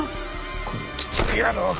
この鬼畜野郎が！